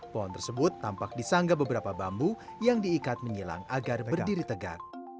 pohon tersebut tampak disanggah beberapa bambu yang diikat menyilang agar berdiri tegak